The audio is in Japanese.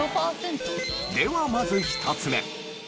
ではまず１つ目。